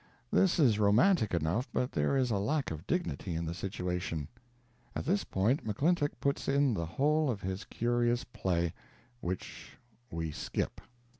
This is romantic enough, but there is a lack of dignity in the situation. At this point McClintock puts in the whole of his curious play which we skip.